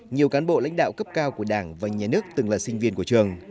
nhiều cán bộ lãnh đạo cấp cao của đảng và nhà nước từng là sinh viên của trường